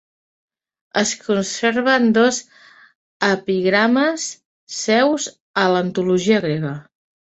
Es conserven dos epigrames seus a l'antologia grega.